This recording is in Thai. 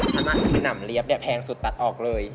ขณะที่หนำเรียบเนี่ยแพงสุดตัดออกเลย